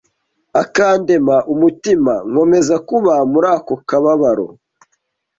akandema umutima, nkomeza kuba muri ako kababaro